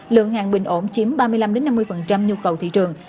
lượng hàng bình ổn chiếm ba mươi năm năm mươi nhu cầu thị trường